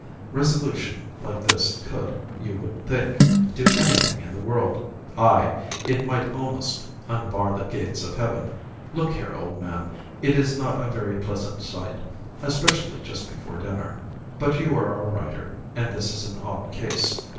Resolution like this could, you would think, do anything in the world. Ay! it might almost unbar the gates of Heaven. Look here, old man, it is not a very pleasant sight, especially just before dinner, but you are a writer, and this is an odd case.